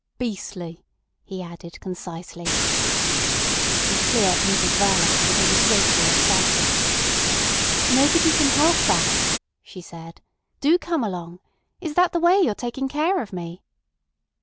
"Beastly!" he added concisely. It was clear to Mrs Verloc that he was greatly excited. "Nobody can help that," she said. "Do come along. Is that the way you're taking care of me?"